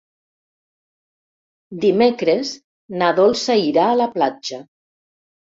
Dimecres na Dolça irà a la platja.